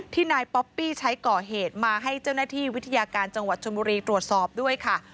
นายป๊อปปี้ใช้ก่อเหตุมาให้เจ้าหน้าที่วิทยาการจังหวัดชนบุรีตรวจสอบด้วยค่ะ